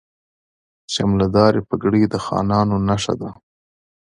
شملې دارې پګړۍ د خانانو نښه ده.